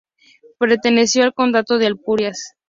Perteneció al condado de Ampurias.